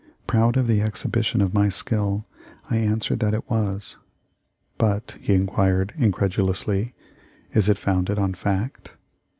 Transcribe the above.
Proud of the exhibition of my skill, I answered that it was. "But," he inquired, incredulously, "is it founded on fact?"